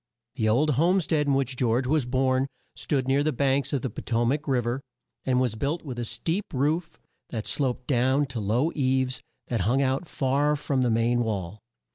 The old home stead in which George was born stood near the banks of the Po to mac Riv er, and was built with a steep roof that sloped down to low eaves that hung out far from the main wall.